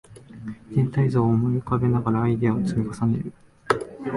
全体像を思い浮かべながらアイデアを積み重ねる